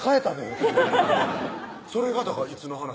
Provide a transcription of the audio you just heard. ってそれがだからいつの話？